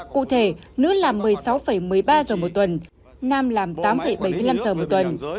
cụ thể nữ là một mươi sáu một mươi ba giờ một tuần nam làm tám bảy mươi năm giờ một tuần